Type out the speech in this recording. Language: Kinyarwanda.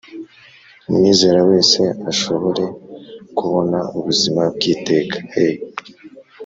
umwizera wese ashobore kubona ubuzima bw iteka e